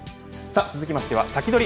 続きましてはサキドリ！